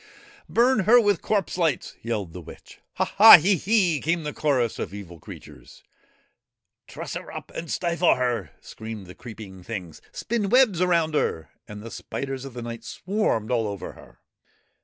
' Burn her with corpse lights !' yelled the witch. ' Ha, ha ! He, he !' came the chorus of evil creatures. ' Truss her up and stifle her !' screamed the creeping things. ' Spin webs round her I ' And the spiders of the night swarmed all over her.